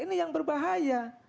ini yang berbahaya